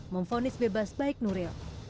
memfonis bebas baik nuril